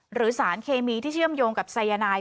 หรือสารเคมีที่เชื่อมโยงกับสายนาย